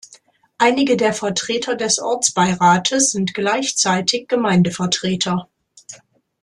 Einige der Vertreter des Ortsbeirates sind gleichzeitig Gemeindevertreter.